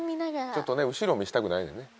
ちょっとね後ろ見せたくないねんね。